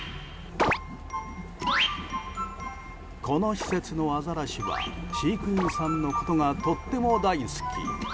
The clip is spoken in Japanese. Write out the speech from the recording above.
この施設のアザラシは飼育員さんのことがとっても大好き。